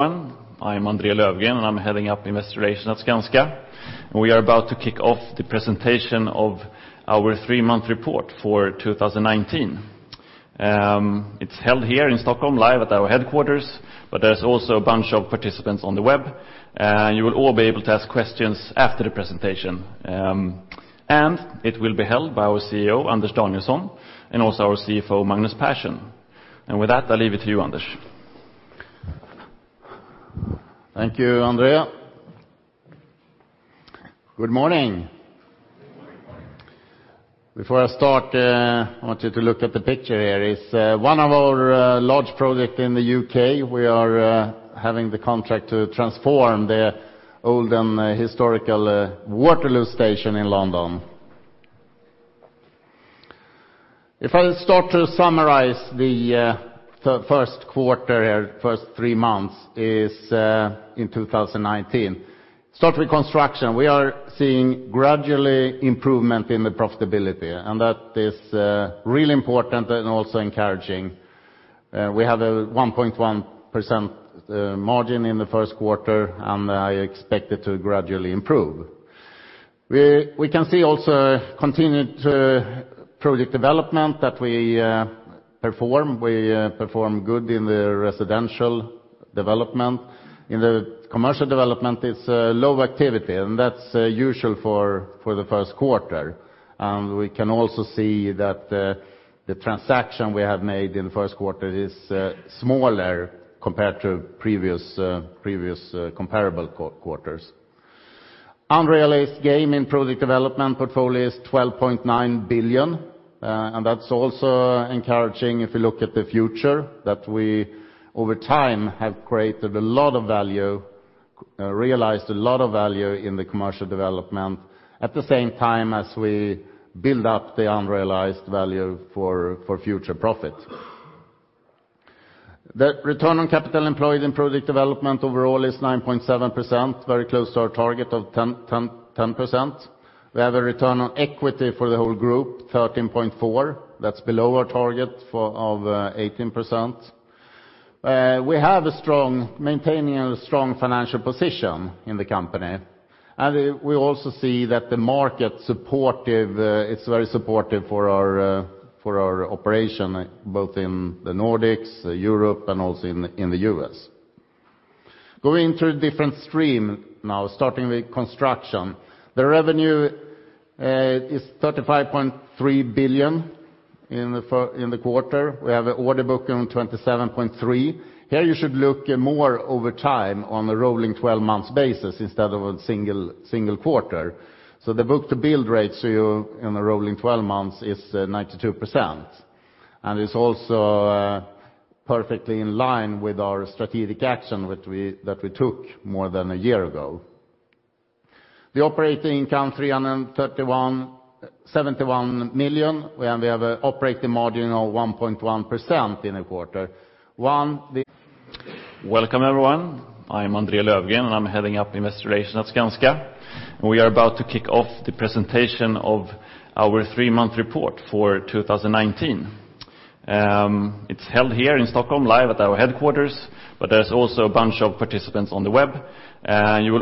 I'm André Löfgren, and I'm heading up Investor Relations at Skanska. We are about to kick off the presentation of our three-month report for 2019. It's held here in Stockholm, live at our headquarters, but there's also a bunch of participants on the web. You will all be able to ask questions after the presentation. It will be held by our CEO, Anders Danielsson, and also our CFO, Magnus Persson. With that, I'll leave it to you, Anders. Thank you, André. Good morning. Good morning. Before I start, I want you to look at the picture here. It's one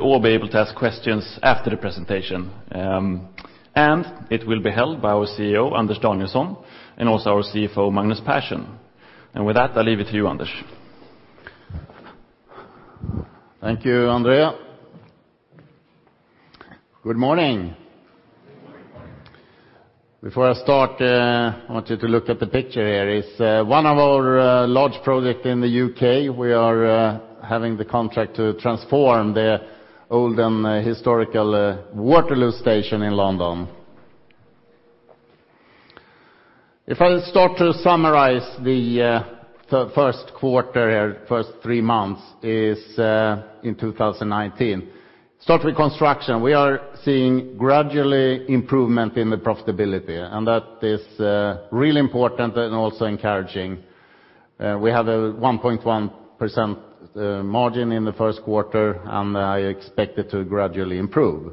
of our large project in the U.K. We are having the contract to transform the old and historical Waterloo Station in London. If I start to summarize the first quarter here, first three months, is in 2019. Start with construction. We are seeing gradually improvement in the profitability, and that is really important and also encouraging. We have a 1.1% margin in the first quarter, and I expect it to gradually improve.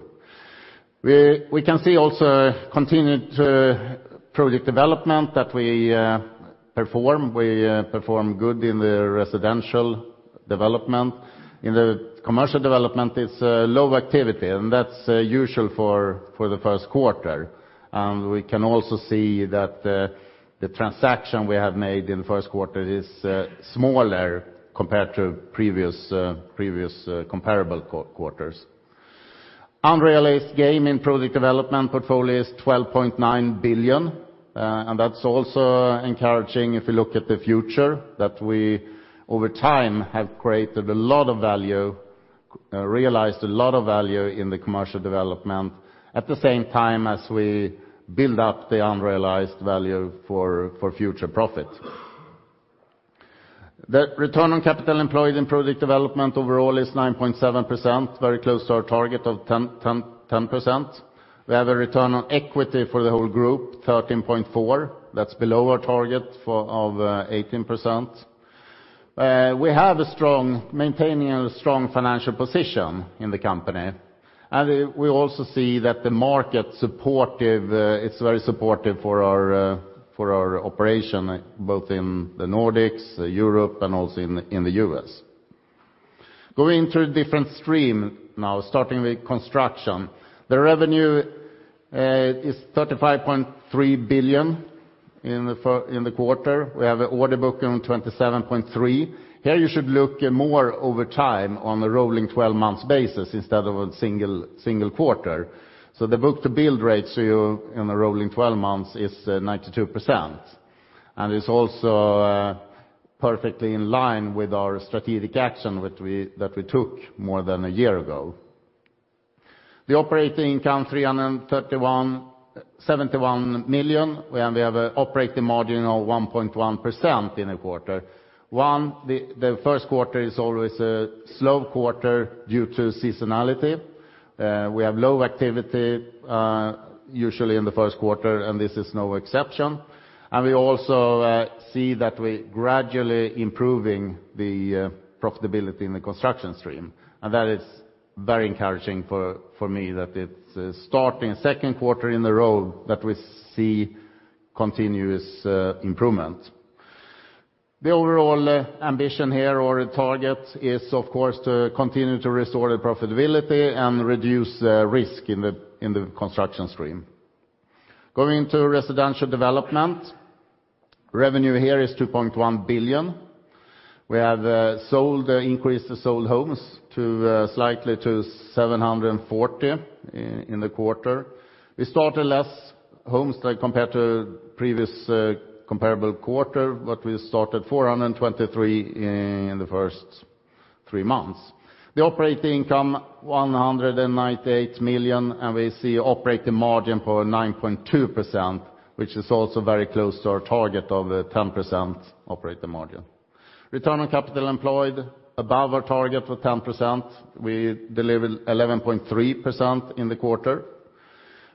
We can see also continued project development that we perform. We perform good in the Residential Development. In the commercial development, it's low activity, and that's usual for the first quarter. We can also see that the transaction we have made in the first quarter is smaller compared to previous comparable quarters. Unrealized gain in project development portfolio is 12.9 billion, and that's also encouraging if you look at the future, that we over time have created a lot of value, realized a lot of value in the commercial development, at the same time as we build up the unrealized value for future profit. for our operation, both in the Nordics, Europe, and also in, in the U.S. Going through a different stream now, starting with construction. The revenue is 35.3 billion in the quarter. We have an order book on 27.3 billion. Here, you should look more over time on a rolling 12 months basis instead of a single quarter. So the book-to-bill ratio, so in the rolling 12 months, is 92%, and it's also perfectly in line with our strategic action, which we that we took more than a year ago. The operating income, 331.71 million, and we have an operating margin of 1.1% in the quarter. The first quarter is always a slow quarter due to seasonality. We have low activity, usually in the first quarter, and this is no exception. We also see that we're gradually improving the profitability in the construction stream. And that is very encouraging for me, that it's starting second quarter in a row that we see continuous improvement. The overall ambition here, or target, is, of course, to continue to restore the profitability and reduce the risk in the construction stream. Going to residential development. Revenue here is 2.1 billion. We have sold, increased the sold homes to slightly to 740 in the quarter. We started less homes than compared to previous comparable quarter, but we started 423 in the first three months. The operating income, 198 million, and we see operating margin for 9.2%, which is also very close to our target of 10% operating margin. Return on capital employed, above our target for 10%, we delivered 11.3% in the quarter.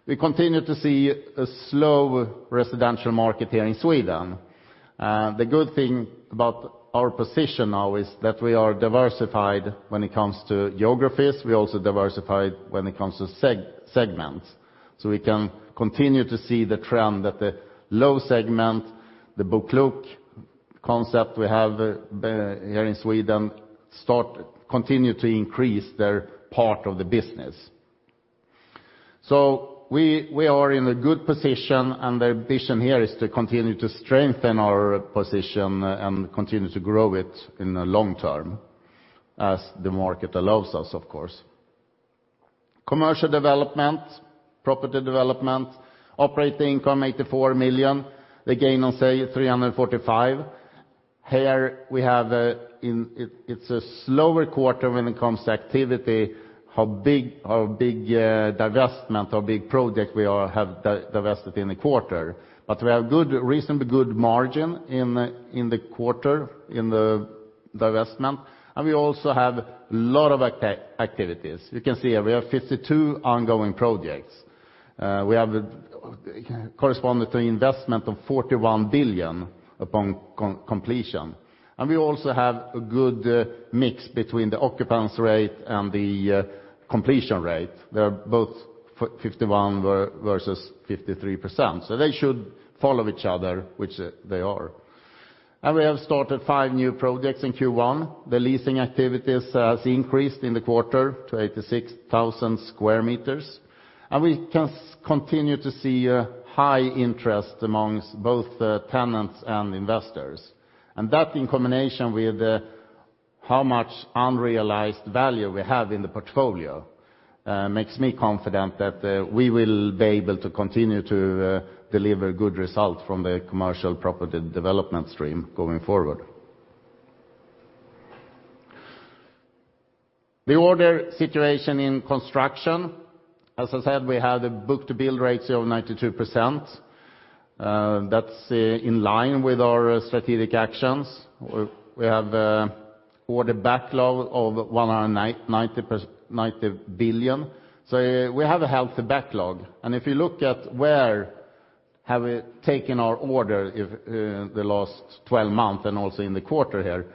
We continue to see a slow residential market here in Sweden. The good thing about our position now is that we are diversified when it comes to geographies. We also diversified when it comes to segments. So we can continue to see the trend that the low segment, the BoKlok concept we have here in Sweden, continue to increase their part of the business. So we, we are in a good position, and the ambition here is to continue to strengthen our position and continue to grow it in the long term, as the market allows us, of course. Commercial development, property development, operating income, 84 million. The gain on sale, 345 million. Here we have a, in it, it's a slower quarter when it comes to activity, how big divestment or big project we all have divested in the quarter. But we have good, reasonably good margin in, in the quarter, in the divestment, and we also have a lot of activities. You can see here, we have 52 ongoing projects. We have corresponding to investment of 41 billion upon completion. And we also have a good, mix between the occupants rate and the, completion rate. They are both 51 versus 53%, so they should follow each other, which they are. And we have started five new projects in Q1. The leasing activities has increased in the quarter to 86,000 square meters, and we can continue to see a high interest amongst both, tenants and investors. And that, in combination with, how much unrealized value we have in the portfolio, makes me confident that, we will be able to continue to, deliver good results from the commercial property development stream going forward. The order situation in construction, as I said, we have a book-to-bill ratio of 92%. That's, in line with our strategic actions. We have, order backlog of 90 billion. So we have a healthy backlog. And if you look at where have we taken our order in the last 12 months, and also in the quarter here,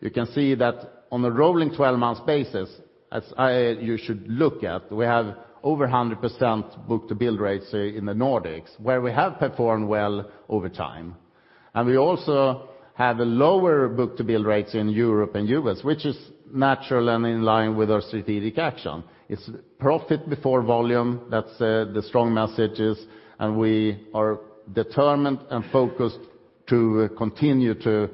you can see that on a rolling 12-month basis, as I... You should look at, we have over 100% book-to-bill ratios in the Nordics, where we have performed well over time. We also have a lower book-to-bill ratios in Europe and U.S., which is natural and in line with our strategic action. It's profit before volume, that's, the strong messages, and we are determined and focused to continue to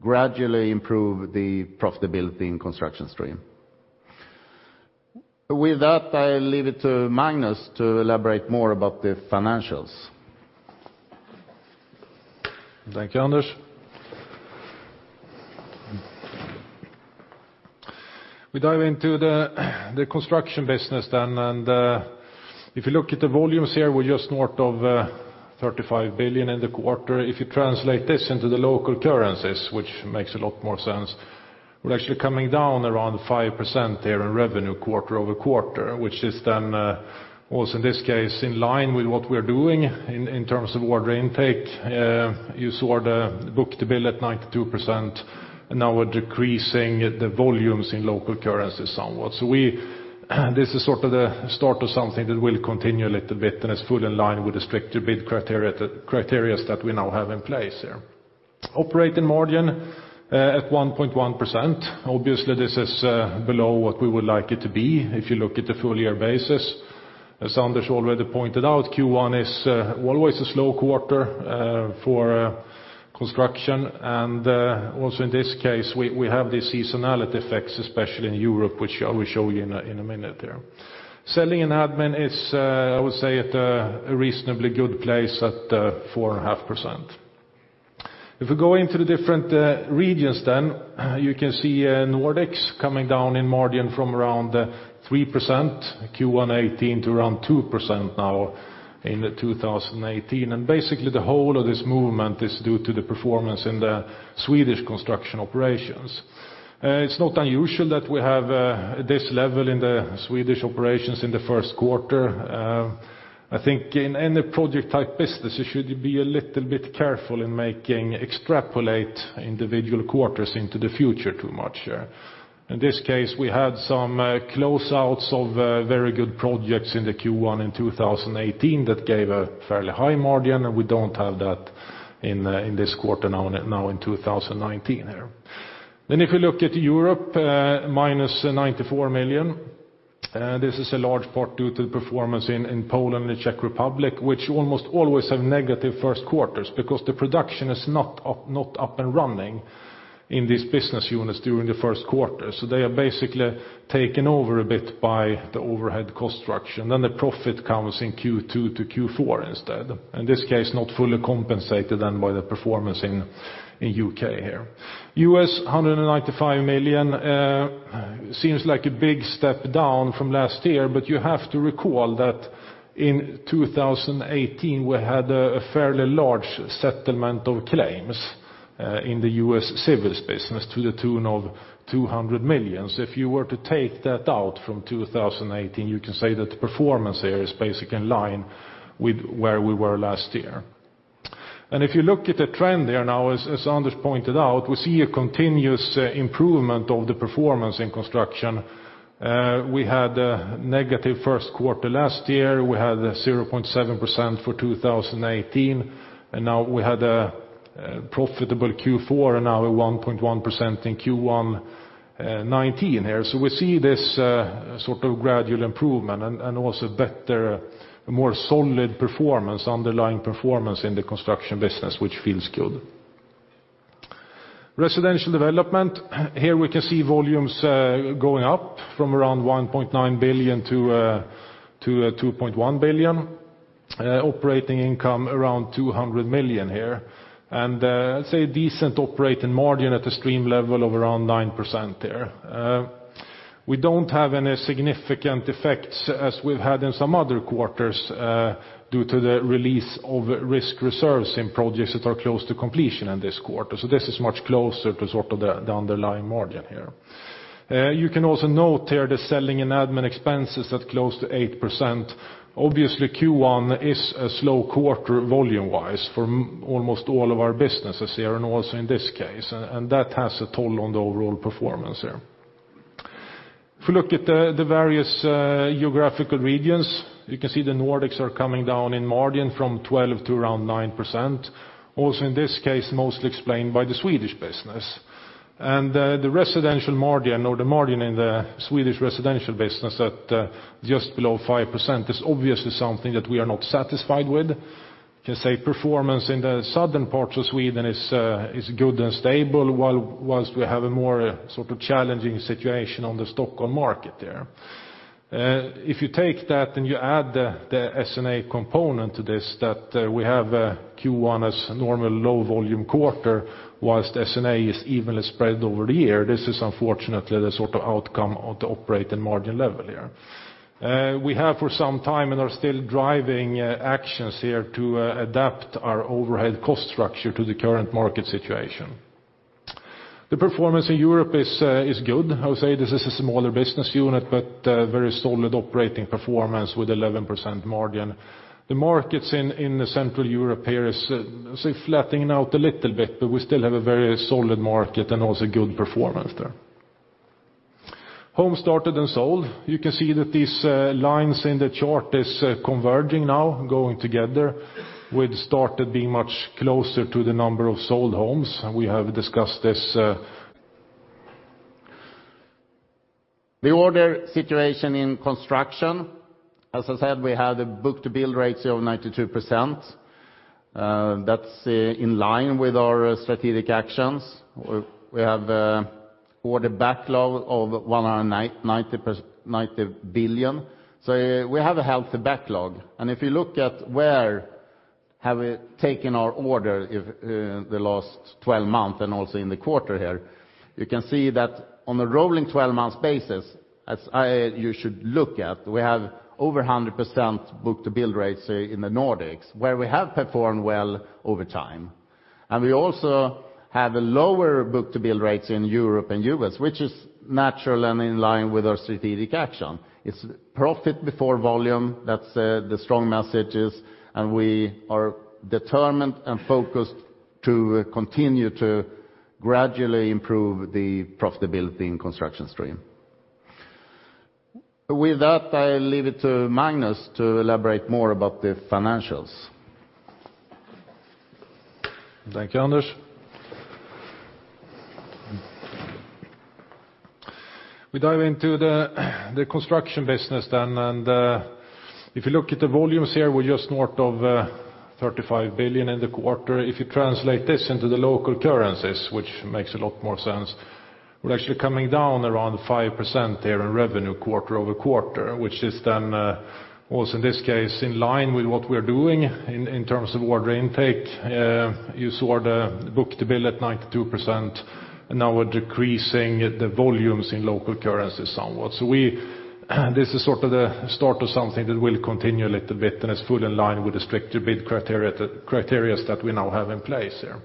gradually improve the profitability in construction stream. With that, I leave it to Magnus to elaborate more about the financials. Thank you, Anders. We dive into the construction business then, and if you look at the volumes here, we're just North of 35 billion in the quarter. If you translate this into the local currencies, which makes a lot more sense. We're actually coming down around 5% there in revenue quarter-over-quarter, which is then also in line with what we're doing in terms of order intake. You saw the book-to-bill at 92%, and now we're decreasing the volumes in local currencies somewhat. So we, this is sort of the start of something that will continue a little bit, and it's fully in line with the stricter bid criteria that we now have in place here.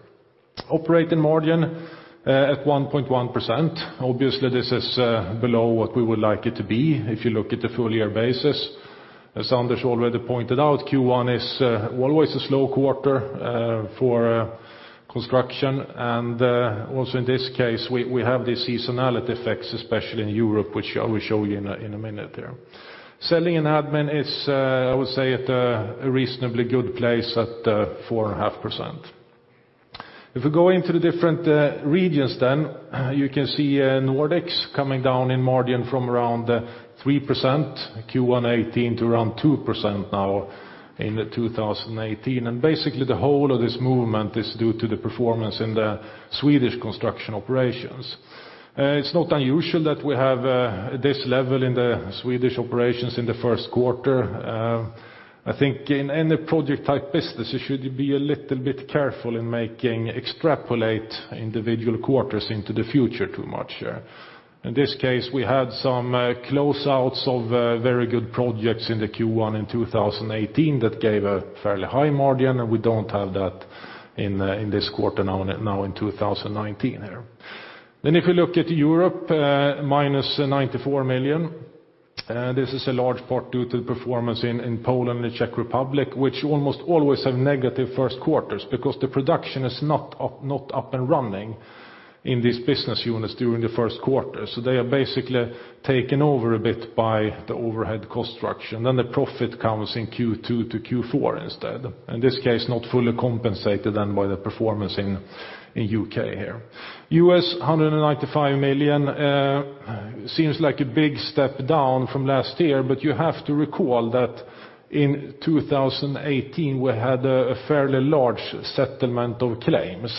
Operating margin at 1.1%. Obviously, this is below what we would like it to be if you look at the full year basis. As Anders already pointed out, Q1 is always a slow quarter for construction, and also in this case, we have the seasonality effects, especially in Europe, which I will show you in a minute there. Selling and admin is, I would say, at a reasonably good place at 4.5%. If we go into the different regions then, you can see Nordics coming down in margin from around 3%, Q1 2018, to around 2% now in the 2018. And basically, the whole of this movement is due to the performance in the Swedish construction operations. It's not unusual that we have this level in the Swedish operations in the first quarter. I think in any project-type business, you should be a little bit careful in making extrapolate individual quarters into the future too much, yeah. In this case, we had some closeouts of very good projects in the Q1 in 2018 that gave a fairly high margin, and we don't have that in this quarter now in 2019 here. Then if you look at Europe, -94 million, this is a large part due to the performance in Poland and the Czech Republic, which almost always have negative first quarters because the production is not up and running in these business units during the first quarter. So they are basically taken over a bit by the overhead cost structure, and then the profit comes in Q2 to Q4 instead. In this case, not fully compensated then by the performance in U.K. here. U.S., $195 million, seems like a big step down from last year, but you have to recall that in 2018, we had a fairly large settlement of claims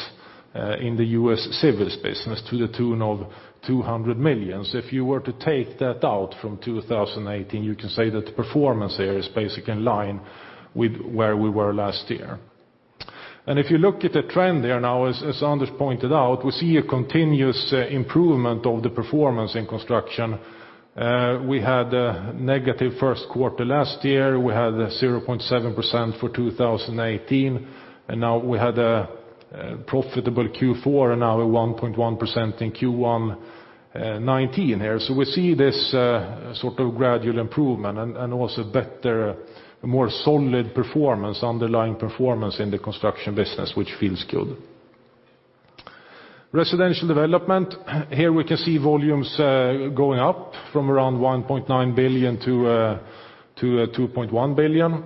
in the U.S. civils business to the tune of $200 million. So if you were to take that out from 2018, you can say that the performance here is basically in line with where we were last year. And if you look at the trend there now, as Anders pointed out, we see a continuous improvement of the performance in construction. We had a negative first quarter last year. We had 0.7% for 2018, and now we had a profitable Q4, and now a 1.1% in Q1 2019 here. So we see this sort of gradual improvement and also better, more solid performance, underlying performance in the construction business, which feels good. Residential development, here we can see volumes going up from around 1.9 billion-2.1 billion.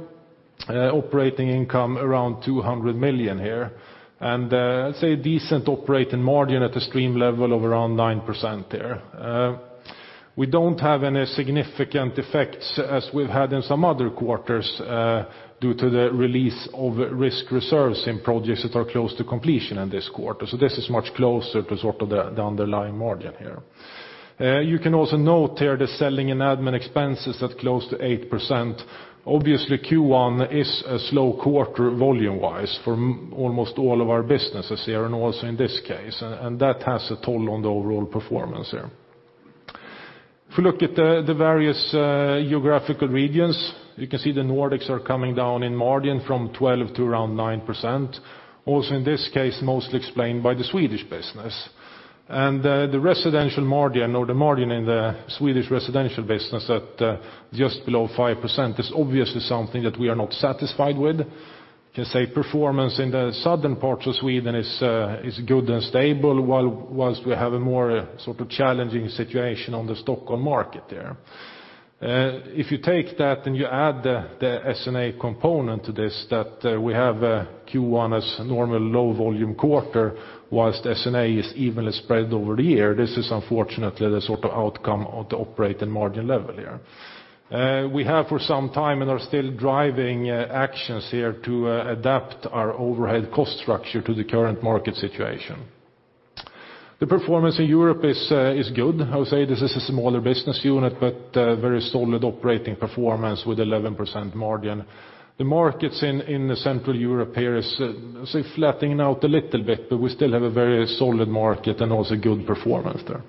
Operating income around 200 million here, and I'd say a decent operating margin at the stream level of around 9% there. We don't have any significant effects as we've had in some other quarters due to the release of risk reserves in projects that are close to completion in this quarter. So this is much closer to sort of the underlying margin here. You can also note here, the selling and admin expenses at close to 8%. Obviously, Q1 is a slow quarter, volume-wise, for almost all of our businesses here, and also in this case, and that has a toll on the overall performance here. If you look at the various geographical regions, you can see the Nordics are coming down in margin from 12 to around 9%. Also, in this case, mostly explained by the Swedish business. And the residential margin or the margin in the Swedish residential business at just below 5% is obviously something that we are not satisfied with. I can say performance in the southern parts of Sweden is good and stable, whilst we have a more sort of challenging situation on the Stockholm market there. If you take that and you add the S&A component to this, that we have Q1 as normal low-volume quarter, while S&A is evenly spread over the year, this is unfortunately the sort of outcome of the operating margin level here. We have for some time, and are still driving actions here to adapt our overhead cost structure to the current market situation. The performance in Europe is good. I would say this is a smaller business unit, but very solid operating performance with 11% margin. The markets in Central Europe here is say flattening out a little bit, but we still have a very solid market and also good performance there.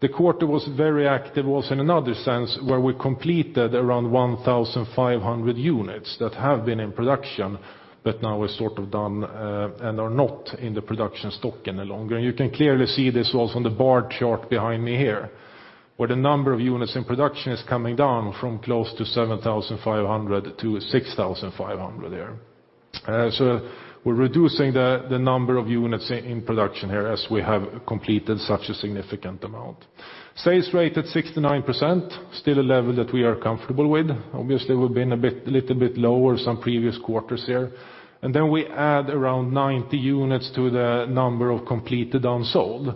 The quarter was very active also in another sense, where we completed around 1,500 units that have been in production, but now are sort of done, and are not in the production stock any longer. And you can clearly see this also on the bar chart behind me here, where the number of units in production is coming down from close to 7,500-6,500 there. So we're reducing the number of units in production here as we have completed such a significant amount. Sales rate at 69%, still a level that we are comfortable with. Obviously, we've been a bit little bit lower some previous quarters here. And then we add around 90 units to the number of completed unsold,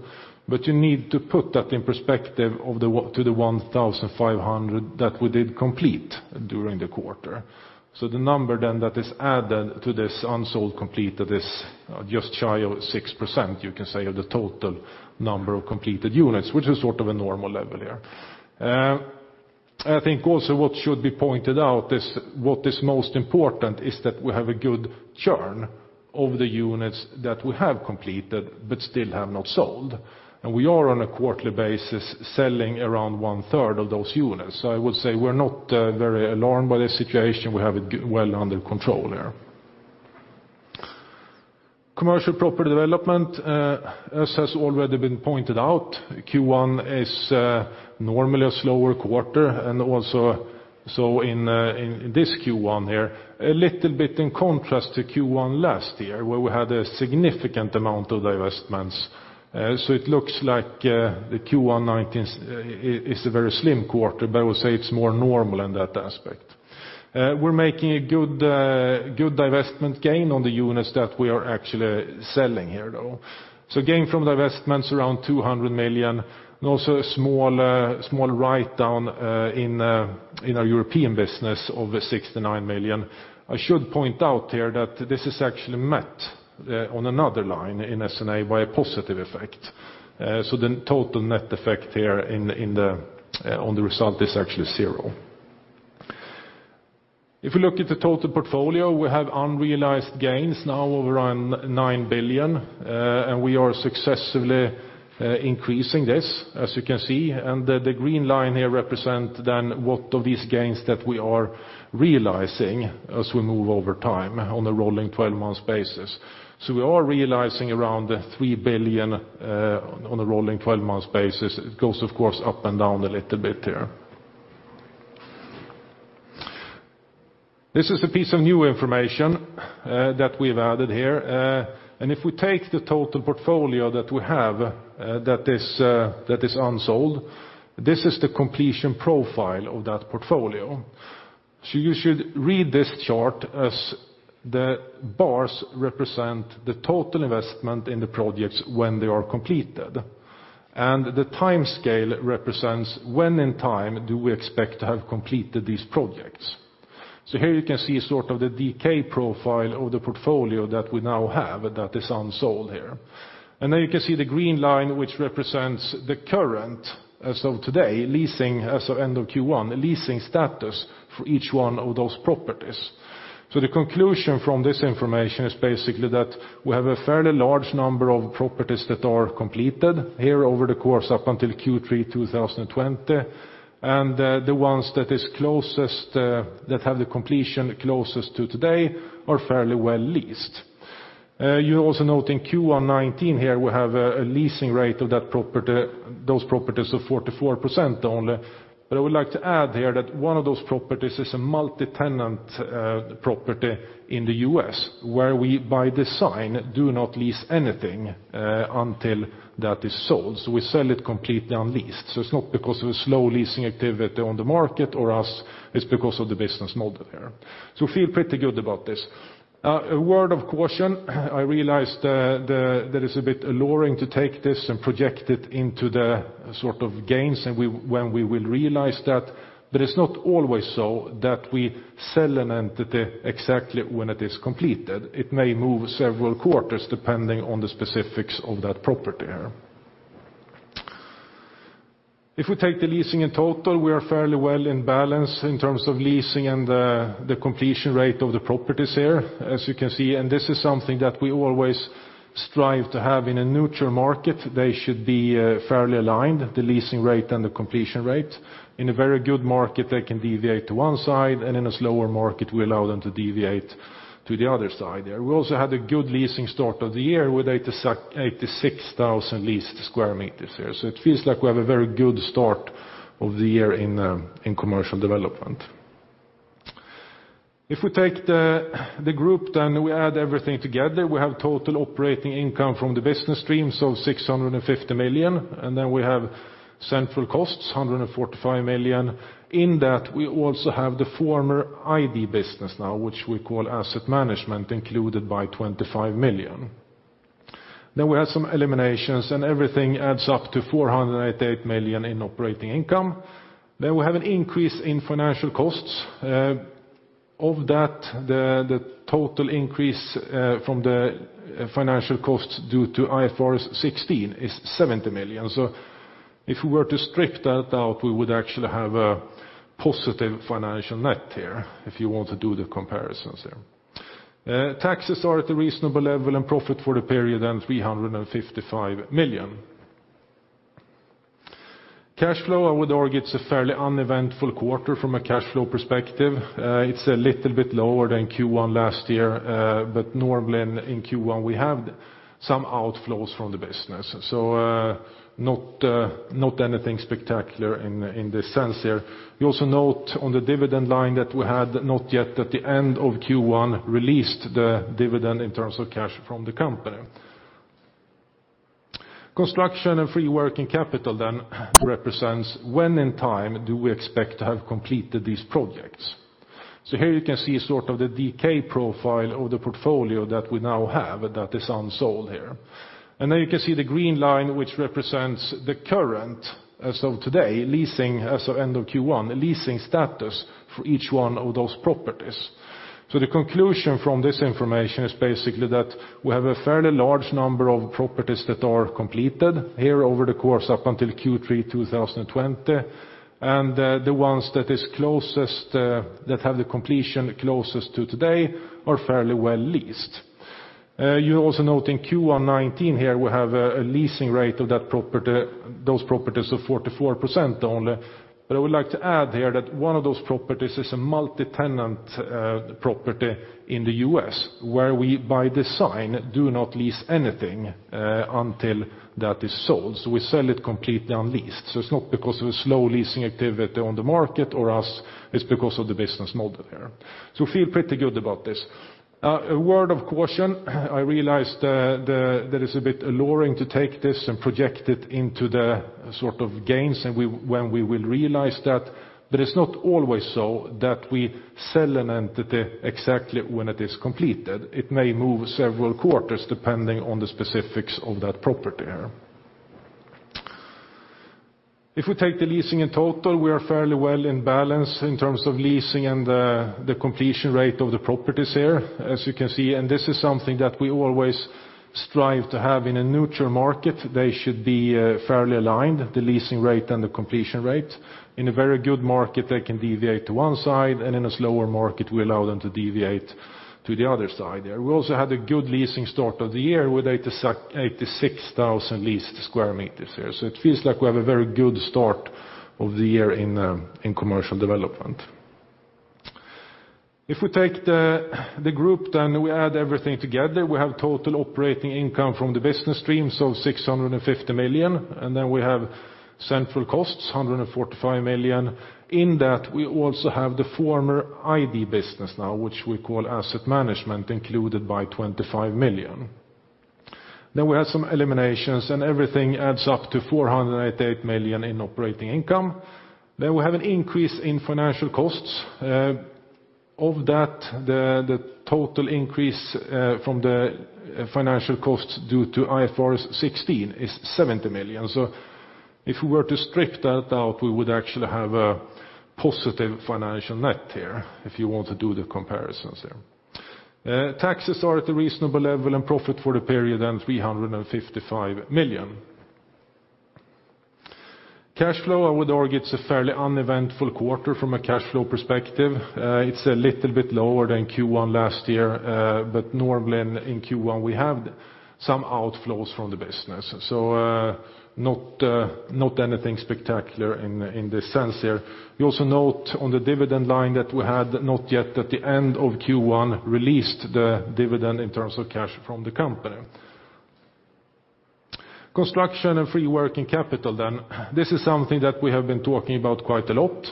but you need to put that in perspective to the 1,500 that we did complete during the quarter. So the number then that is added to this unsold completed is, just shy of 6%, you can say, of the total number of completed units, which is sort of a normal level here. I think also what should be pointed out is what is most important is that we have a good churn of the units that we have completed, but still have not sold. And we are, on a quarterly basis, selling around one third of those units. So I would say we're not very alarmed by this situation. We have it well under control here. Commercial property development, as has already been pointed out, Q1 is normally a slower quarter, and also so in this Q1 here, a little bit in contrast to Q1 last year, where we had a significant amount of divestments. So it looks like, the Q1 2019 is a very slim quarter, but I would say it's more normal in that aspect. We're making a good, good divestment gain on the units that we are actually selling here, though. So gain from divestments around 200 million, and also a small, small write-down, in, in our European business of 69 million. I should point out here that this is actually met, on another line in Skanska by a positive effect. So the total net effect here in the, in the, on the result is actually zero. If we look at the total portfolio, we have unrealized gains now of around 9 billion, and we are successfully, increasing this, as you can see. The green line here represents then what of these gains that we are realizing as we move over time on a rolling twelve-month basis. So we are realizing around 3 billion on a rolling twelve-month basis. It goes, of course, up and down a little bit here. This is a piece of new information that we've added here. And if we take the total portfolio that we have, that is unsold, this is the completion profile of that portfolio. So you should read this chart as the bars represent the total investment in the projects when they are completed, and the time scale represents when in time do we expect to have completed these projects. So here you can see sort of the decay profile of the portfolio that we now have, that is unsold here. And then you can see the green line, which represents the current, as of today, leasing, as of end of Q1, leasing status for each one of those properties. So the conclusion from this information is basically that we have a fairly large number of properties that are completed here over the course up until Q3 2020, and the ones that is closest that have the completion closest to today are fairly well leased. You also note in Q1 2019 here, we have a leasing rate of that property, those properties of 44% only. But I would like to add here that one of those properties is a multi-tenant property in the U.S., where we, by design, do not lease anything until that is sold. So we sell it completely unleased. So it's not because of a slow leasing activity on the market or us. It's because of the business model here. So we feel pretty good about this. A word of caution, I realize that it's a bit alluring to take this and project it into the sort of gains, and we, when we will realize that, but it's not always so that we sell an entity exactly when it is completed. It may move several quarters, depending on the specifics of that property here. If we take the leasing in total, we are fairly well in balance in terms of leasing and the completion rate of the properties here, as you can see, and this is something that we always strive to have in a neutral market. They should be fairly aligned, the leasing rate and the completion rate. In a very good market, they can deviate to one side, and in a slower market, we allow them to deviate to the other side there. We also had a good leasing start of the year with 86,000 leased square meters here. So it feels like we have a very good start of the year in, in commercial development. If we take the group, then we add everything together, we have total operating income from the business stream, so 650 million, and then we have central costs, 145 million. In that, we also have the former ID business now, which we call asset management, included by 25 million. Then we have some eliminations, and everything adds up to 488 million in operating income. Then we have an increase in financial costs. Of that, the total increase from the financial costs due to IFRS 16 is 70 million. So if we were to strip that out, we would actually have a positive financial net here, if you want to do the comparisons there. Taxes are at a reasonable level, and profit for the period then 355 million. Cash flow, I would argue, it's a fairly uneventful quarter from a cash flow perspective. It's a little bit lower than Q1 last year, but normally in Q1, we have some outflows from the business. So, not anything spectacular in this sense here. You also note on the dividend line that we had not yet, at the end of Q1, released the dividend in terms of cash from the company. Construction and free working capital then represents when in time do we expect to have completed these projects. So here you can see sort of the decay profile of the portfolio that we now have, that is unsold here. And then you can see the green line, which represents the current, as of today, leasing as of end of Q1, leasing status for each one of those properties. So the conclusion from this information is basically that we have a fairly large number of properties that are completed here over the course up until Q3 2020, and the ones that is closest that have the completion closest to today are fairly well leased. You also note in Q1 2019 here, we have a leasing rate of that property, those properties of 44% only. But I would like to add here that one of those properties is a multi-tenant property in the U.S., where we, by design, do not lease anything until that is sold. So we sell it completely unleased. So it's not because of a slow leasing activity on the market or us, it's because of the business model there. So feel pretty good about this. A word of caution, I realize that it's a bit alluring to take this and project it into the sort of gains, and when we will realize that, but it's not always so that we sell an entity exactly when it is completed. It may move several quarters, depending on the specifics of that property here. If we take the leasing in total, we are fairly well in balance in terms of leasing and the completion rate of the properties here, as you can see, and this is something that we always strive to have in a neutral market. They should be fairly aligned, the leasing rate and the completion rate. In a very good market, they can deviate to one side, and in a slower market, we allow them to deviate to the other side there. We also had a good leasing start of the year with 86,000 leased square meters here. So it feels like we have a very good start of the year in commercial development. If we take the, the group, then we add everything together, we have total operating income from the business streams of 650 million, and then we have central costs, 145 million. In that, we also have the former ID business now, which we call asset management, included by 25 million. Then we have some eliminations, and everything adds up to 488 million in operating income. Then we have an increase in financial costs. Of that, the, the total increase, from the, financial costs due to IFRS 16 is 70 million. So if we were to strip that out, we would actually have a positive financial net here, if you want to do the comparisons there. Taxes are at a reasonable level, and profit for the period then 355 million. Cash flow, I would argue, it's a fairly uneventful quarter from a cash flow perspective. It's a little bit lower than Q1 last year, but normally in Q1, we have some outflows from the business. So, not anything spectacular in this sense here. You also note on the dividend line that we had not yet, at the end of Q1, released the dividend in terms of cash from the company. Construction and free working capital then. This is something that we have been talking about quite a lot,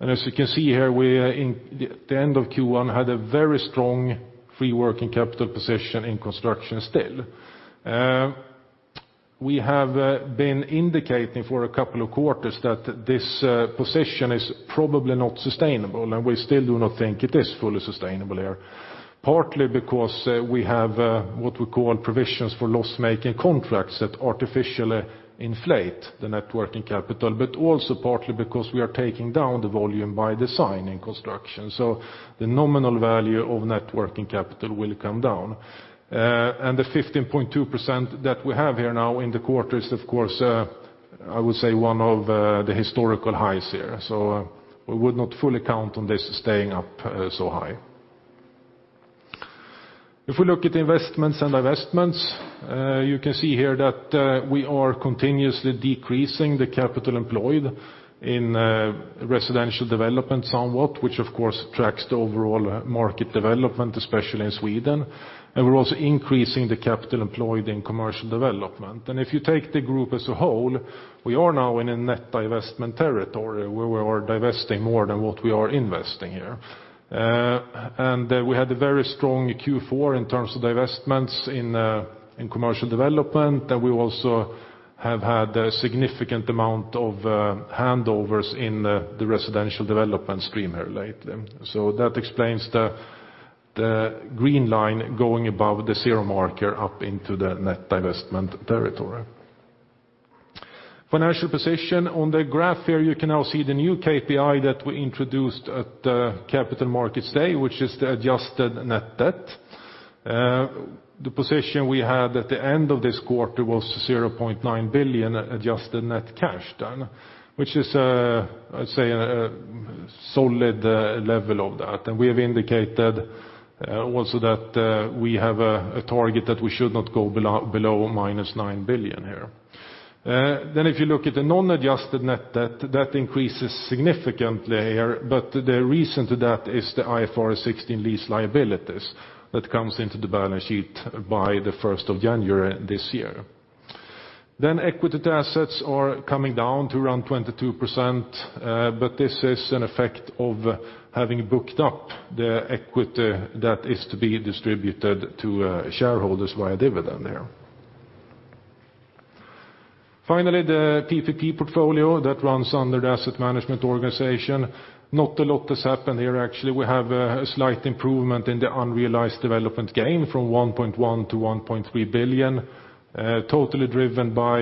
and as you can see here, we in the end of Q1 had a very strong free working capital position in construction still. We have been indicating for a couple of quarters that this position is probably not sustainable, and we still do not think it is fully sustainable here. Partly because, we have, what we call provisions for loss-making contracts that artificially inflate the net working capital, but also partly because we are taking down the volume by design in construction. So the nominal value of net working capital will come down. And the 15.2% that we have here now in the quarter is, of course, I would say, one of, the historical highs here, so we would not fully count on this staying up, so high. If we look at investments and divestments, you can see here that, we are continuously decreasing the capital employed in, residential development somewhat, which of course tracks the overall market development, especially in Sweden. And we're also increasing the capital employed in commercial development. If you take the group as a whole, we are now in a net divestment territory, where we are divesting more than what we are investing here. We had a very strong Q4 in terms of divestments in commercial development, and we also have had a significant amount of handovers in the residential development stream here lately. So that explains the green line going above the zero marker up into the net divestment territory. Financial position, on the graph here, you can now see the new KPI that we introduced at the Capital Markets Day, which is the adjusted net debt. The position we had at the end of this quarter was 0.9 billion adjusted net cash then, which is, I'd say, a solid level of that. We have indicated also that we have a target that we should not go below, below -9 billion here. Then if you look at the non-adjusted net debt, that increases significantly here, but the reason to that is the IFRS 16 lease liabilities that comes into the balance sheet by the 1st of January this year. Then equity to assets are coming down to around 22%, but this is an effect of having booked up the equity that is to be distributed to shareholders via dividend there. Finally, the PPP portfolio that runs under the asset management organization, not a lot has happened here, actually. We have a slight improvement in the unrealized development gain from 1.1 billion to 1.3 billion, totally driven by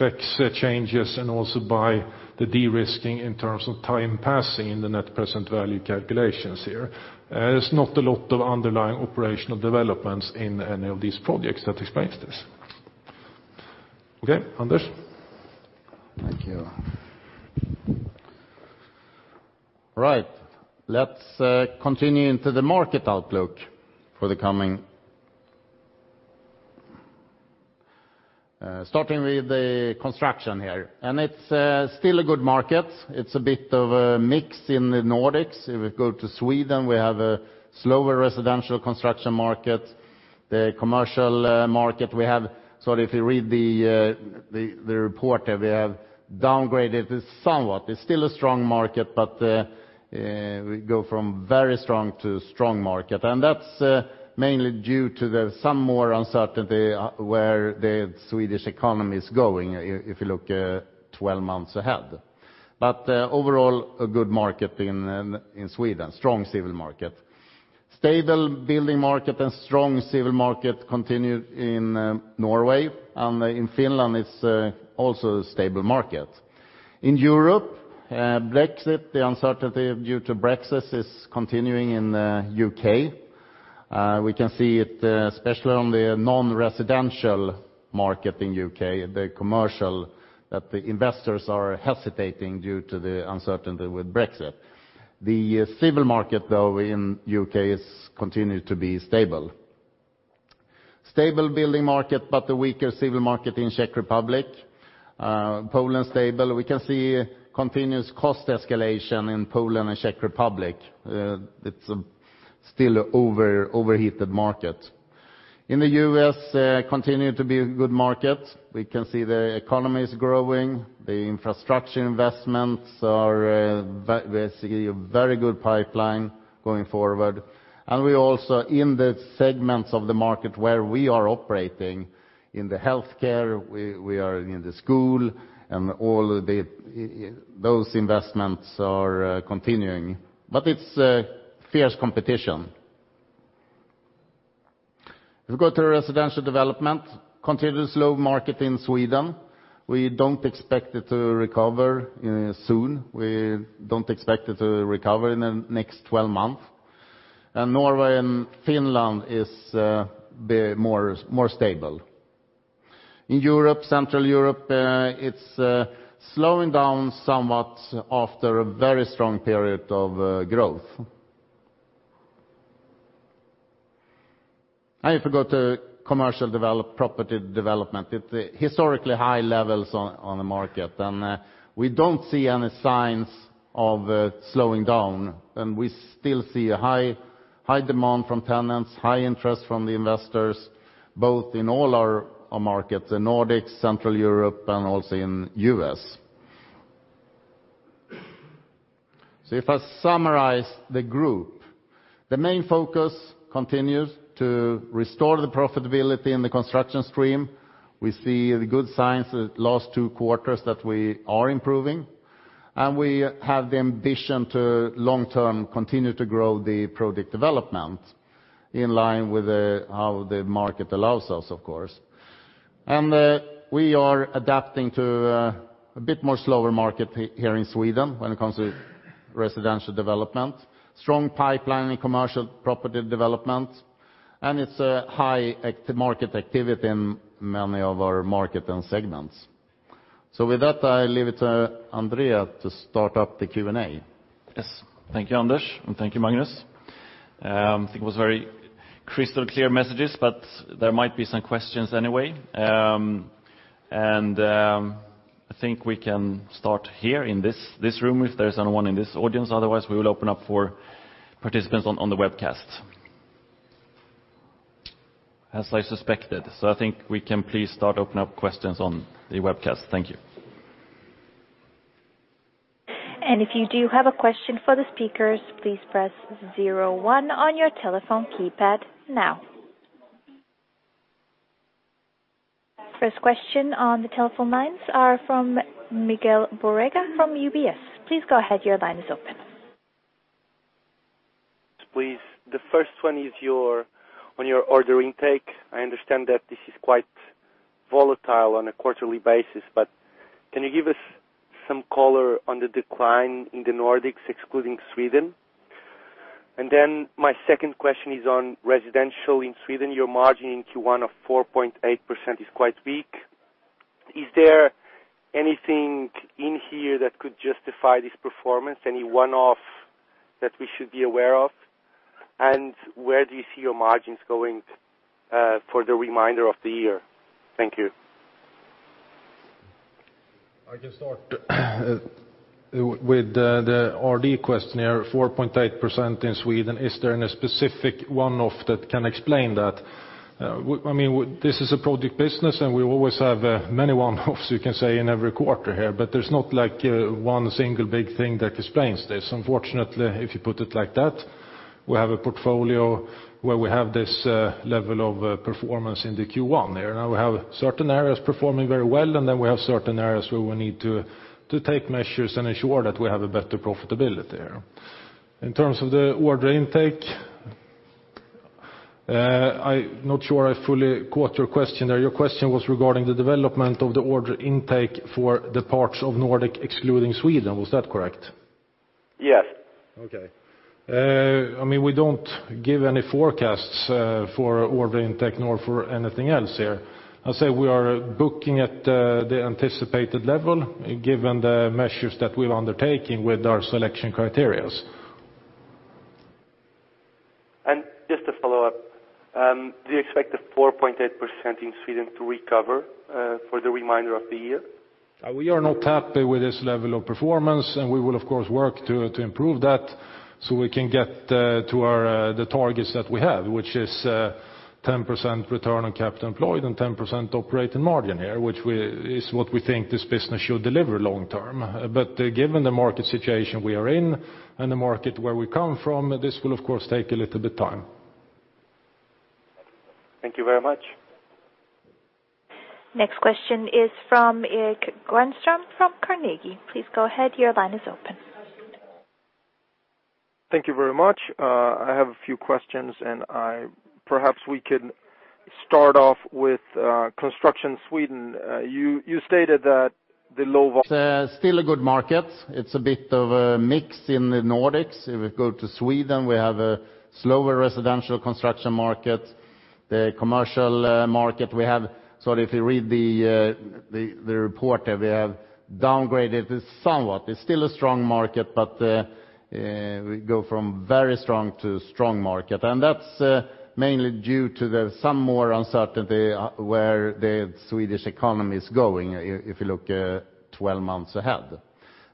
FX changes, and also by the de-risking in terms of time passing in the net present value calculations here. There's not a lot of underlying operational developments in any of these projects that explains this. Okay, Anders? Thank you. Right, let's continue into the market outlook for the coming... Starting with the construction here, and it's still a good market. It's a bit of a mix in the Nordics. If we go to Sweden, we have a slower residential construction market. The commercial market, so if you read the report there, we have downgraded it somewhat. It's still a strong market, but we go from very strong to strong market, and that's mainly due to some more uncertainty where the Swedish economy is going, if you look 12 months ahead. But overall, a good market in Sweden, strong civil market. Stable building market and strong civil market continued in Norway, and in Finland, it's also a stable market. In Europe, Brexit, the uncertainty due to Brexit, is continuing in U.K. We can see it, especially on the non-residential market in U.K., the commercial, that the investors are hesitating due to the uncertainty with Brexit. The civil market, though, in U.K., is continued to be stable. Stable building market, but a weaker civil market in Czech Republic. Poland, stable. We can see continuous cost escalation in Poland and Czech Republic. It's still an overheated market. In the U.S., continue to be a good market. We can see the economy is growing, the infrastructure investments are, we see a very good pipeline going forward. And we also, in the segments of the market where we are operating, in the healthcare, we are in the school, and all of those investments are continuing. But it's fierce competition. If you go to residential development, continued slow market in Sweden. We don't expect it to recover soon. We don't expect it to recover in the next 12 months. And Norway and Finland are more stable. In Europe, Central Europe, it's slowing down somewhat after a very strong period of growth. And if you go to commercial property development, it's historically high levels on the market, and we don't see any signs of slowing down, and we still see a high demand from tenants, high interest from the investors, both in all our markets, the Nordics, Central Europe, and also in U.S. So if I summarize the group, the main focus continues to restore the profitability in the construction stream. We see the good signs the last two quarters that we are improving, and we have the ambition to long-term continue to grow the product development in line with how the market allows us, of course. And we are adapting to a bit more slower market here in Sweden when it comes to residential development. Strong pipeline in commercial property development, and it's a high activity market in many of our markets and segments. So with that, I leave it to André to start up the Q&A. Yes. Thank you, Anders, and thank you, Magnus. I think it was very crystal clear messages, but there might be some questions anyway. I think we can start here in this room, if there's anyone in this audience. Otherwise, we will open up for participants on the webcast. As I suspected, so I think we can please start open up questions on the webcast. Thank you. If you do have a question for the speakers, please press zero one on your telephone keypad now. First question on the telephone lines are from Miguel Borrega from UBS. Please go ahead. Your line is open. Please. The first one is your, on your order intake. I understand that this is quite volatile on a quarterly basis, but can you give us some color on the decline in the Nordics, excluding Sweden? And then my second question is on residential in Sweden, your margin in Q1 of 4.8% is quite weak. Is there anything in here that could justify this performance, any one-off that we should be aware of? And where do you see your margins going for the remainder of the year? Thank you. I can start with the RD question here, 4.8% in Sweden. Is there any specific one-off that can explain that? I mean, this is a project business, and we always have many one-offs, you can say, in every quarter here, but there's not like one single big thing that explains this. Unfortunately, if you put it like that, we have a portfolio where we have this level of performance in the Q1 there. Now, we have certain areas performing very well, and then we have certain areas where we need to take measures and ensure that we have a better profitability there. In terms of the order intake, I'm not sure I fully caught your question there. Your question was regarding the development of the order intake for the parts of Nordic, excluding Sweden. Was that correct? Yes. Okay. I mean, we don't give any forecasts for order intake nor for anything else here. I'll say we are booking at the anticipated level, given the measures that we're undertaking with our selection criteria. Just to follow up, do you expect the 4.8% in Sweden to recover for the remainder of the year? We are not happy with this level of performance, and we will, of course, work to improve that so we can get to our targets that we have, which is 10% return on capital employed, and 10% operating margin here, which is what we think this business should deliver long term. But given the market situation we are in and the market where we come from, this will of course take a little bit time. Thank you very much. Next question is from Erik Granström from Carnegie. Please go ahead. Your line is open. Thank you very much. I have a few questions, and perhaps we can start off with Construction Sweden. You stated that the low vol- It's still a good market. It's a bit of a mix in the Nordics. If we go to Sweden, we have a slower residential construction market. The commercial market, we have, so if you read the report that we have downgraded it somewhat. It's still a strong market, but we go from very strong to strong market, and that's mainly due to the some more uncertainty where the Swedish economy is going if you look 12 months ahead.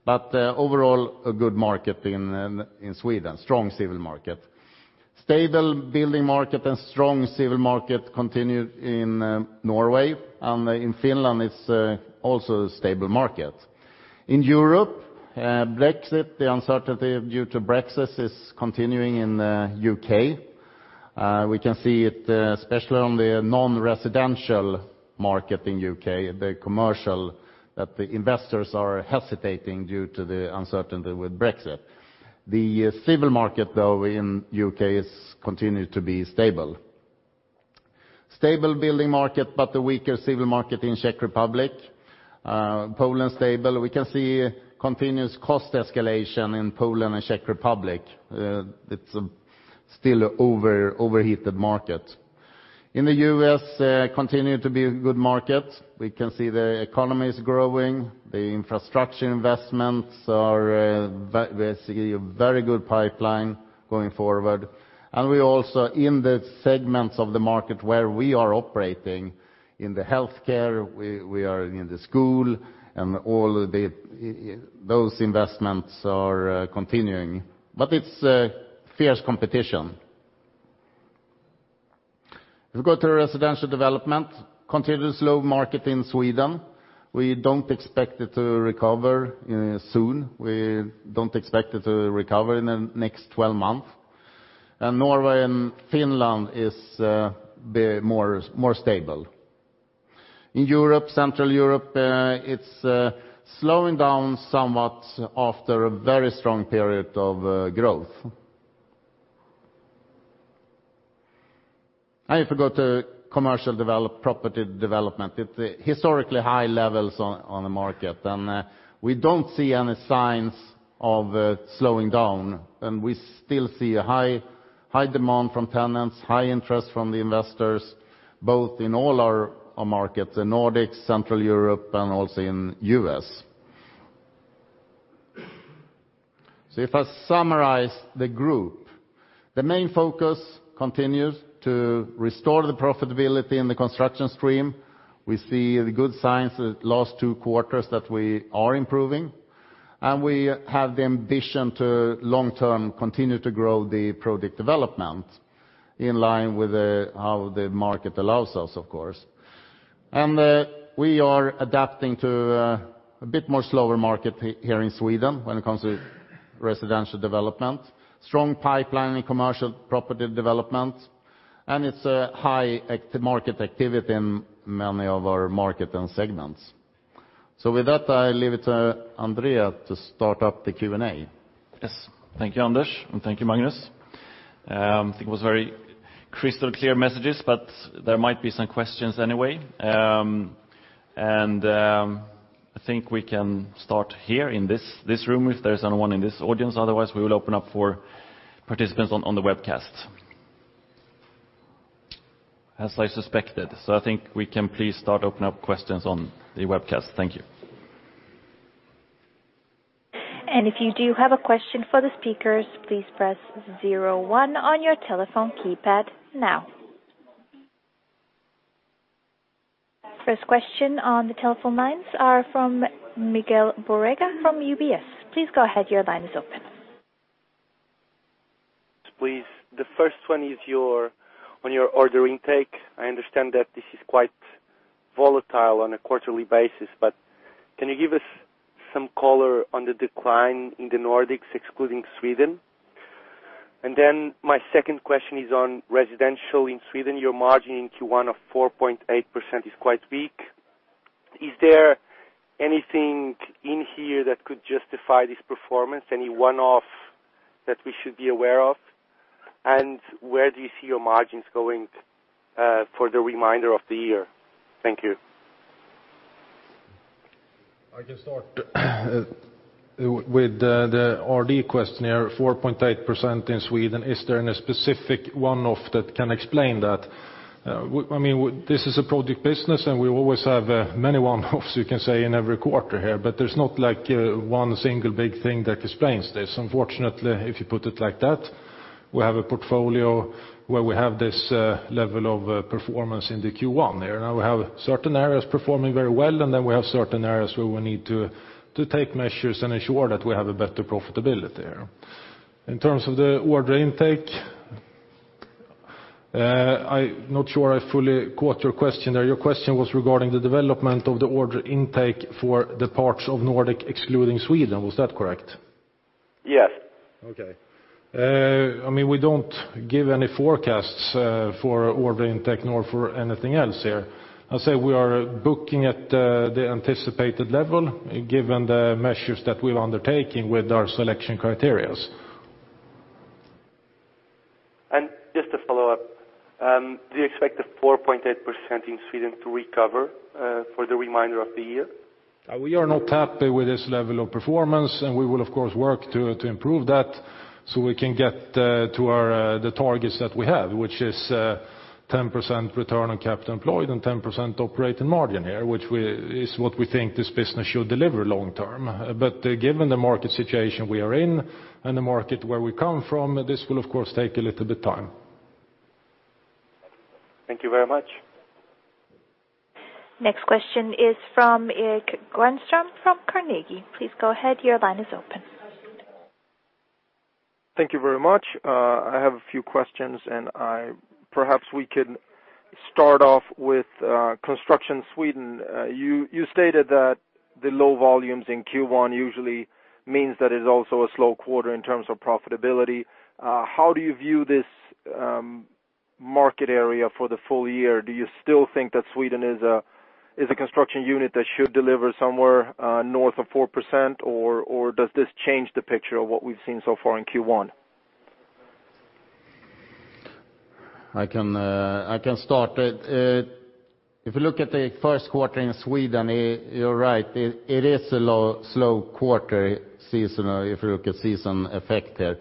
But overall, a good market in Sweden, strong civil market. Stable building market and strong civil market continued in Norway, and in Finland, it's also a stable market. In Europe, Brexit, the uncertainty due to Brexit, is continuing in the U.K. We can see it, especially on the non-residential market in U.K., the commercial, that the investors are hesitating due to the uncertainty with Brexit. The civil market, though, in U.K., is continued to be stable. Stable building market, but a weaker civil market in Czech Republic. Poland, stable. We can see continuous cost escalation in Poland and Czech Republic. It's still overheated market. In the U.S, continue to be a good market. We can see the economy is growing, the infrastructure investments are, we see a very good pipeline going forward. And we also, in the segments of the market where we are operating, in the healthcare, we are in the school, and all of those investments are continuing, but it's a fierce competition. If we go to residential development, continuous low market in Sweden, we don't expect it to recover soon. We don't expect it to recover in the next 12 months. Norway and Finland is be more, more stable. In Central Europe, it's slowing down somewhat after a very strong period of growth. Now, if you go to commercial property development, it's historically high levels on the market, and we don't see any signs of slowing down, and we still see a high, high demand from tenants, high interest from the investors, both in all our markets, the Nordics, Central Europe, and also in the US. If I summarize the group, the main focus continues to restore the profitability in the construction stream. We see the good signs the last two quarters that we are improving, and we have the ambition to long term continue to grow the project development in line with how the market allows us, of course. And we are adapting to a bit more slower market here in Sweden when it comes to residential development. Strong pipeline in commercial property development, and it's a high market activity in many of our market and segments. So with that, I leave it to André to start up the Q&A. Yes. Thank you, Anders, and thank you, Magnus. I think it was very crystal clear messages, but there might be some questions anyway. I think we can start here in this room, if there's anyone in this audience. Otherwise, we will open up for participants on the webcast. As I suspected, so I think we can please start open up questions on the webcast. Thank you. If you do have a question for the speakers, please press zero one on your telephone keypad now. First question on the telephone lines are from Miguel Borrega from UBS. Please go ahead, your line is open. Please, the first one is your, on your order intake. I understand that this is quite volatile on a quarterly basis, but can you give us some color on the decline in the Nordics, excluding Sweden? And then my second question is on residential in Sweden, your margin in Q1 of 4.8% is quite weak. Is there anything in here that could justify this performance, any one-off that we should be aware of? And where do you see your margins going for the remainder of the year? Thank you. I can start with the RD question there, 4.8% in Sweden. Is there any specific one-off that can explain that? I mean, this is a project business, and we always have many one-offs, you can say, in every quarter here. But there's not like one single big thing that explains this. Unfortunately, if you put it like that, we have a portfolio where we have this level of performance in the Q1 there. Now, we have certain areas performing very well, and then we have certain areas where we need to take measures and ensure that we have a better profitability there. In terms of the order intake, I'm not sure I fully caught your question there. Your question was regarding the development of the order intake for the parts of Nordic, excluding Sweden. Was that correct? Yes. Okay. I mean, we don't give any forecasts for order intake nor for anything else here. I'd say we are booking at the anticipated level, given the measures that we're undertaking with our selection criteria. Just to follow up, do you expect the 4.8% in Sweden to recover for the remainder of the year? We are not happy with this level of performance, and we will, of course, work to improve that so we can get to our, the targets that we have, which is 10% return on capital employed, and 10% operating margin here, which is what we think this business should deliver long term. But given the market situation we are in and the market where we come from, this will, of course, take a little bit time. Thank you very much. Next question is from Erik Granström from Carnegie. Please go ahead, your line is open. Thank you very much. I have a few questions. Perhaps we can start off with construction Sweden. You stated that the low volumes in Q1 usually means that it's also a slow quarter in terms of profitability. How do you view this market area for the full year? Do you still think that Sweden is a construction unit that should deliver somewhere north of 4%? Or does this change the picture of what we've seen so far in Q1? I can, I can start. If you look at the first quarter in Sweden, you're right, it, it is a low, slow quarter seasonal, if you look at seasonal effect there.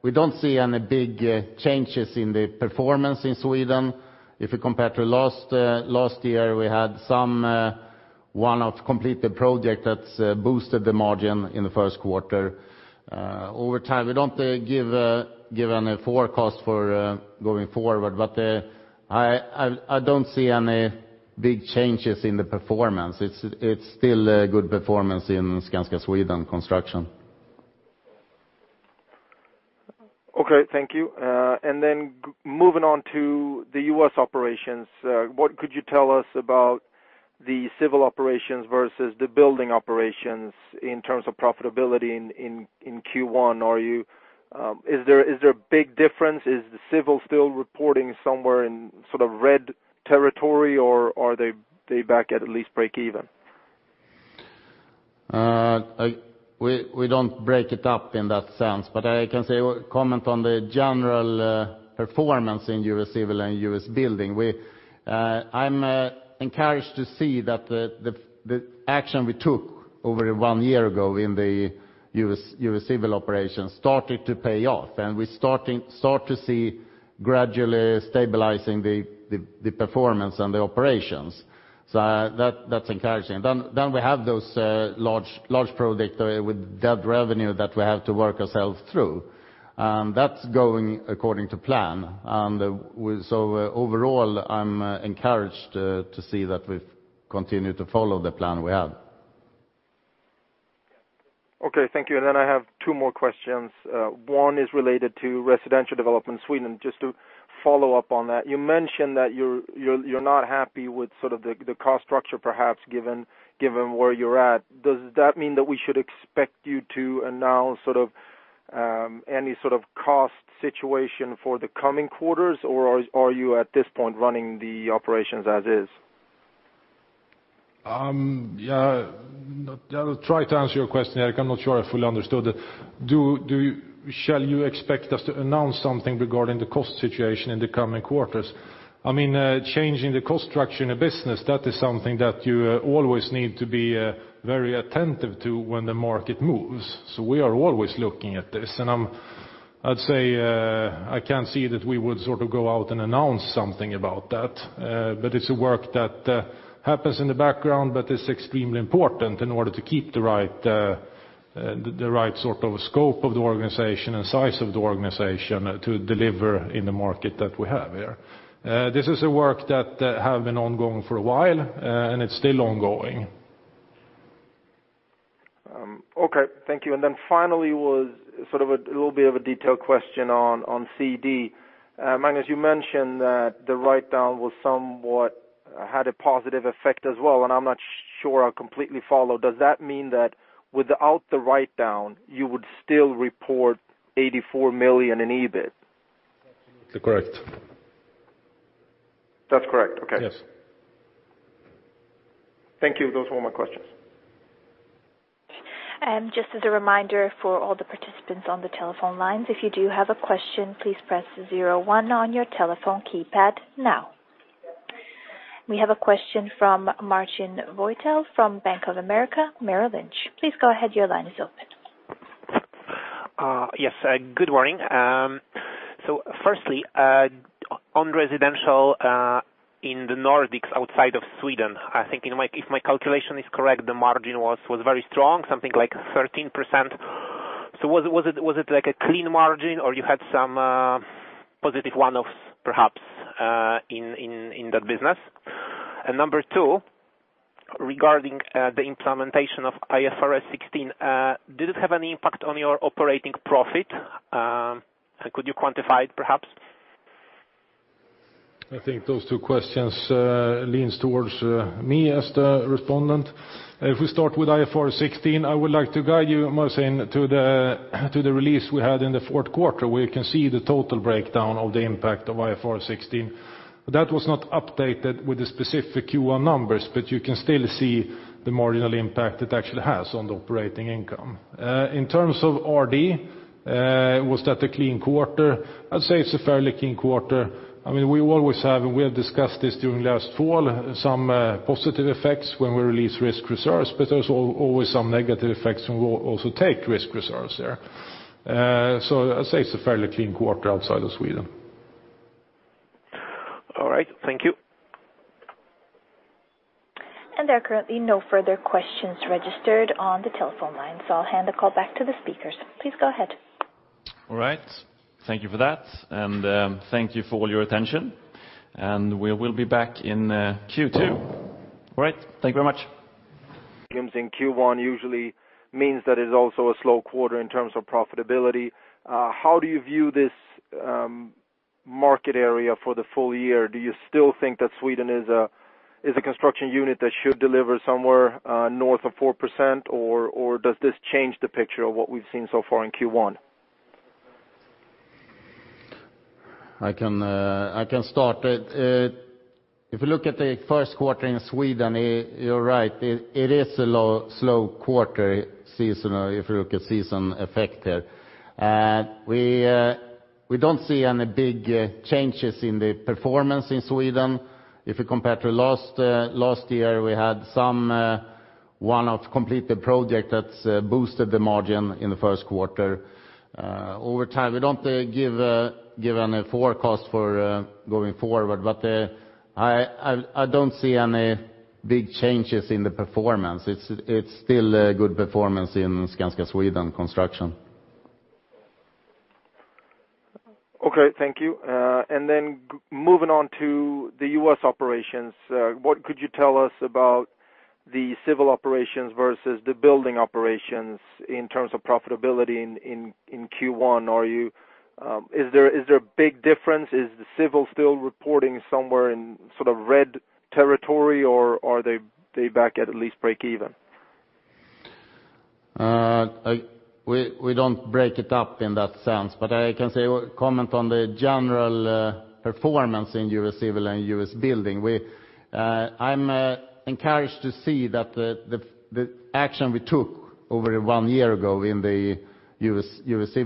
We don't see any big changes in the performance in Sweden. If you compare to last year, we had some one-off completed project that's boosted the margin in the first quarter. Over time, we don't give any forecast for going forward, but I don't see any big changes in the performance. It's still a good performance in Skanska Sweden Construction. Okay, thank you. And then moving on to the U.S. operations, what could you tell us about the civil operations versus the building operations in terms of profitability in Q1? Is there a big difference? Is the civil still reporting somewhere in sort of red territory, or are they back at least break even? We don't break it up in that sense, but I can say, comment on the general performance in U.S. Civil and U.S. Building. I'm encouraged to see that the action we took over one year ago in the U.S. Civil operation started to pay off, and we start to see gradually stabilizing the performance and the operations. So, that's encouraging. Then we have those large project with that revenue that we have to work ourselves through. That's going according to plan. And so overall, I'm encouraged to see that we've continued to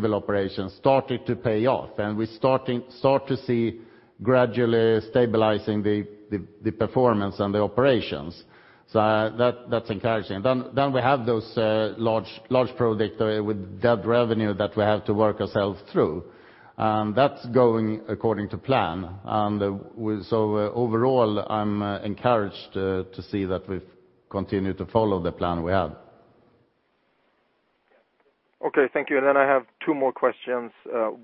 follow the plan we have. Okay, thank you. And then I have two more questions.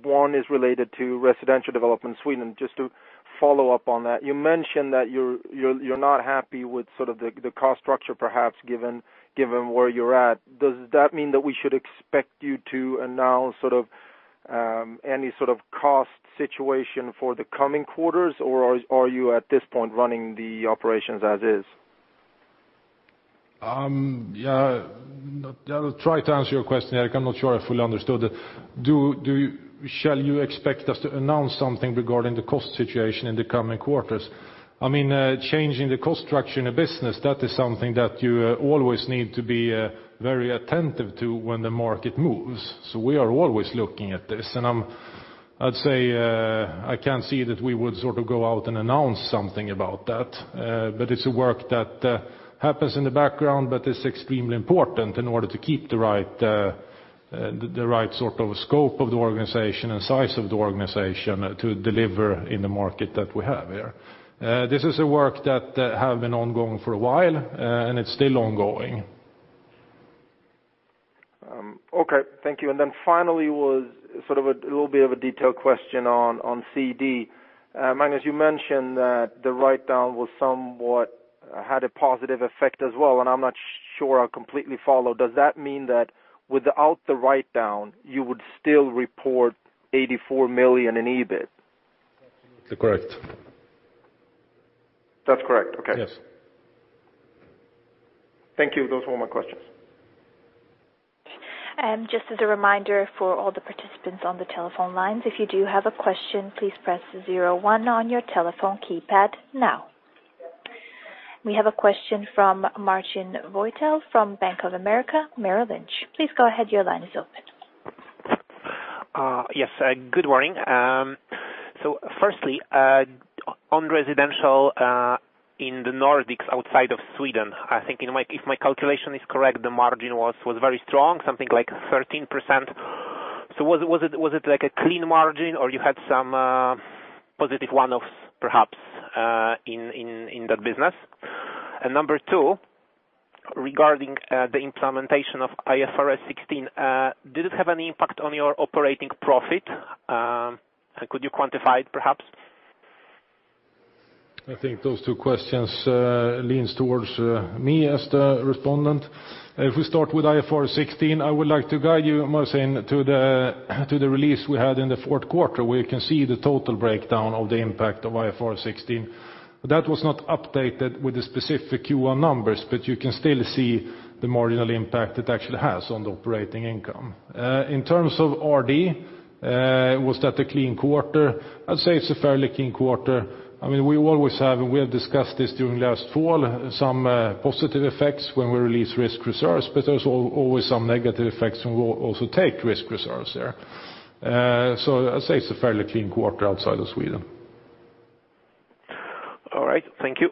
One is related to residential development in Sweden. Just to follow up on that, you mentioned that you're not happy with sort of the cost structure, perhaps, given where you're at. Does that mean that we should expect you to announce sort of any sort of cost situation for the coming quarters, or are you, at this point, running the operations as is? Yeah, I'll try to answer your question, Erik. I'm not sure I fully understood it. Shall you expect us to announce something regarding the cost situation in the coming quarters? I mean, changing the cost structure in a business, that is something that you always need to be very attentive to when the market moves, so we are always looking at this. And I'd say, I can't see that we would sort of go out and announce something about that, but it's a work that happens in the background, but it's extremely important in order to keep the right sort of scope of the organization and size of the organization to deliver in the market that we have here. This is a work that have been ongoing for a while, and it's still ongoing. Okay. Thank you. And then finally was sort of a little bit of a detailed question on, on CD. Magnus, you mentioned that the write-down was somewhat, had a positive effect as well, and I'm not sure I completely follow. Does that mean that without the write-down, you would still report 84 million in EBIT? That's correct. That's correct? Okay. Yes. Thank you. Those were all my questions. Just as a reminder for all the participants on the telephone lines, if you do have a question, please press zero-one on your telephone keypad now. We have a question from Marcin Wojtal from Bank of America Merrill Lynch. Please go ahead. Your line is open. Yes, good morning. So firstly, on residential, in the Nordics, outside of Sweden, I think in my, if my calculation is correct, the margin was very strong, something like 13%. So was it like a clean margin, or you had some positive one-offs, perhaps, in that business? And number two, regarding the implementation of IFRS 16, did it have any impact on your operating profit? And could you quantify it, perhaps? I think those two questions, leans towards, me as the respondent. If we start with IFRS 16, I would like to guide you, Marcin, to the, to the release we had in the fourth quarter, where you can see the total breakdown of the impact of IFRS 16. That was not updated with the specific Q1 numbers, but you can still see the marginal impact it actually has on the operating income. In terms of RD, was that a clean quarter? I'd say it's a fairly clean quarter. I mean, we always have, and we have discussed this during last fall, some, positive effects when we release risk reserves, but there's always some negative effects, and we'll also take risk reserves there. So I'd say it's a fairly clean quarter outside of Sweden. All right. Thank you.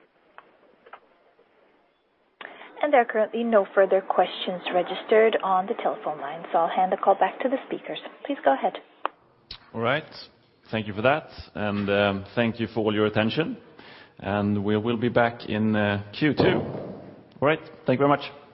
There are currently no further questions registered on the telephone line, so I'll hand the call back to the speakers. Please go ahead. All right.